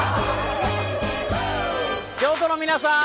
京都の皆さん！